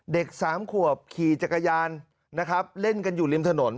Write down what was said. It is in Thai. สามขวบขี่จักรยานนะครับเล่นกันอยู่ริมถนน